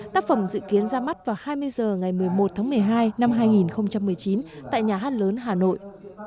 tác phẩm dự kiến ra mắt vào hai mươi h ngày một mươi một tháng một mươi hai năm hai nghìn một mươi chín tại nhà hát lớn hà nội